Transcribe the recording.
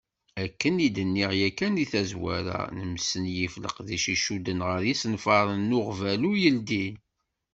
Akken i d-nniɣ yakan deg tazwara, nesmenyif leqdic i icudden ɣer yisenfaren n uɣbalu yeldin.